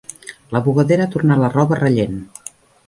La bugadera ha tornat la roba rellent.